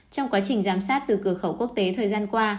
trong quá trình giám sát từ cửa khẩu quốc tế thời gian qua